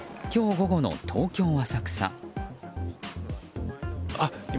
午後の東京・浅草。